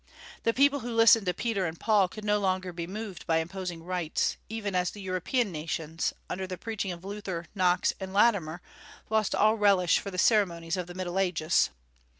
The people who listened to Peter and Paul could no longer be moved by imposing rites, even as the European nations under the preaching of Luther, Knox, and Latimer lost all relish for the ceremonies of the Middle Ages.